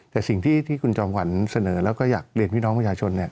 แต่สิ่งที่คุณจอมขวัญเสนอแล้วก็อยากเรียนพี่น้องประชาชน